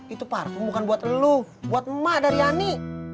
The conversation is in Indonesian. itu parfum bukan buat lu buat mak dari ani